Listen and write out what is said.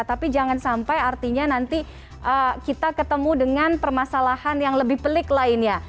tapi jangan sampai artinya nanti kita ketemu dengan permasalahan yang lebih pelik lainnya